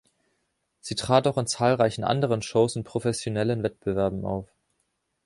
Sie trat auch in zahlreichen anderen Shows und professionellen Wettbewerben auf.